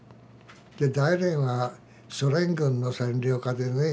で大連はソ連軍の占領下でね。